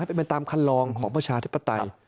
เป็นไปตามคันลองของประชาธิปไตย